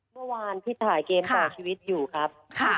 เมื่อวานที่ถ่ายเกมต่อชีวิตอยู่ครับ